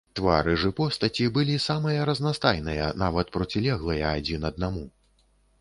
Твары ж і постаці былі самыя разнастайныя, нават процілеглыя адзін аднаму.